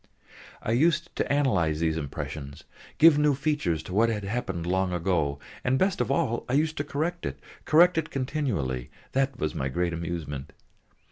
I used to analyse these impressions, give new features to what had happened long ago, and best of all, I used to correct it, correct it continually, that was my great amusement.